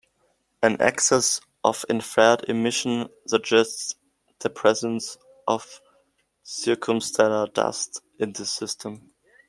An excess of infrared emission suggests the presence of circumstellar dust in this system.